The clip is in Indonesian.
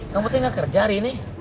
kamu teh nggak kerja hari ini